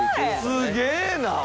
すげえな。